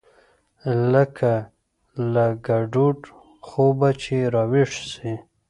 لکه له ګډوډ خوبه چې راويښ سې.